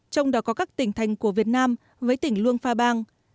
trong đó có các tỉnh thành của việt nam với tỉnh luông pha bang